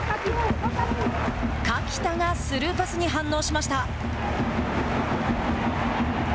垣田がスルーパスに反応しました。